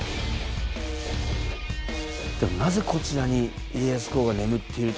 でもなぜこちらに。